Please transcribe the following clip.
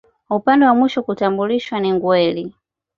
Upande wa mwisho kutambulishwa ni Ngweli